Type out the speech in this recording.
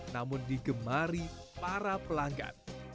namun digemari para pelanggan